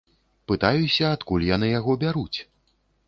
Пытаюся, адкуль яны яго бяруць?